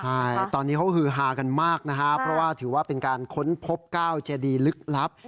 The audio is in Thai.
ใช่ตอนนี้เขาฮือฮากันมากนะครับเพราะว่าถือว่าเป็นการค้นพบก้าวเจดีลึกลับ